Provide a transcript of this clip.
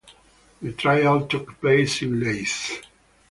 The trial took place in Leith.